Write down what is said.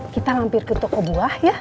kita hampir ke toko buah